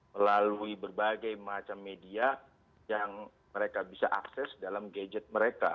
melalui berbagai macam media yang mereka bisa akses dalam gadget mereka